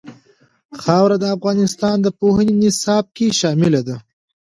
خاوره د افغانستان د پوهنې نصاب کې شامل دي.